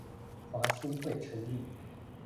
華興會成立